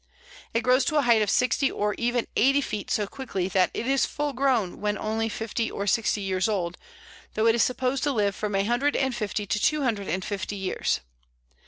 It grows to a height of sixty or even eighty feet so quickly that it is full grown when only fifty or sixty years old, though it is supposed to live from a hundred and fifty to two hundred and fifty years.